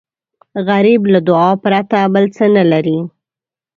غریب له دعا پرته بل څه نه لري